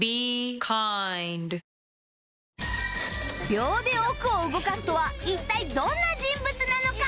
秒で億を動かすとは一体どんな人物なのか？